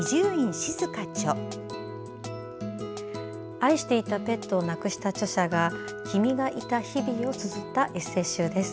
愛していたペットを亡くした著者が君がいた日々をつづったエッセー集です。